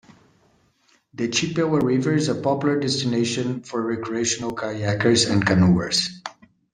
The Chippewa River is a popular destination for recreational kayakers and canoers.